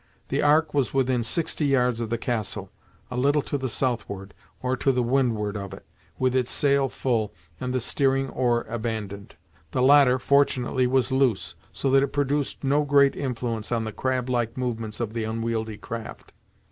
The Ark was within sixty yards of the castle, a little to the southward, or to windward of it, with its sail full, and the steering oar abandoned. The latter, fortunately, was loose, so that it produced no great influence on the crab like movements of the unwieldy craft.